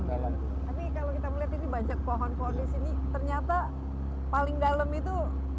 tapi kalau kita melihat ini banyak pohon pohon di sini ternyata paling dalam itu